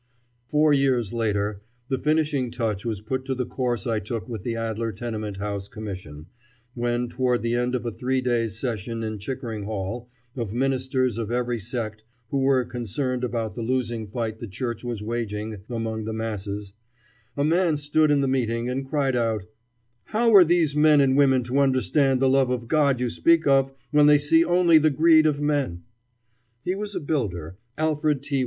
Four years later the finishing touch was put to the course I took with the Adler Tenement House Commission, when, toward the end of a three days' session in Chickering Hall of ministers of every sect who were concerned about the losing fight the Church was waging among the masses, a man stood in the meeting and cried out, "How are these men and women to understand the love of God you speak of, when they see only the greed of men?" He was a builder, Alfred T.